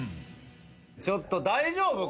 ちょっと大丈夫？